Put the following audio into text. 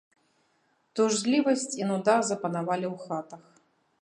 Тужлівасць і нуда запанавалі ў хатах.